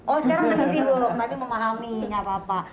oh sekarang lebih sibuk tapi memahami gak apa apa